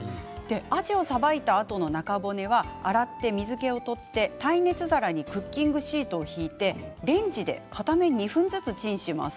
アジをさばいたあとの中骨は洗って水けを取って耐熱皿にクッキングシートを敷いてレンジで片面２分ずつチンします。